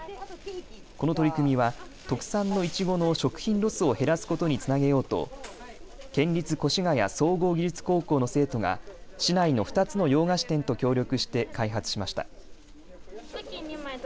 この取り組みは特産のいちごの食品ロスを減らすことにつなげようと県立越谷総合技術高校の生徒が市内の２つの洋菓子店と協力して開発しました。